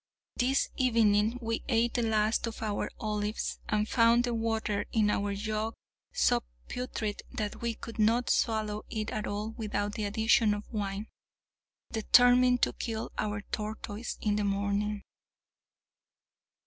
This evening we ate the last of our olives, and found the water in our jug so putrid that we could not swallow it at all without the addition of wine. Determined to kill our tortoise in the morning.